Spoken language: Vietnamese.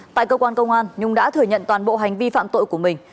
tại cơ quan công an nhung đã thừa nhận toàn bộ hành vi phạm tội của mình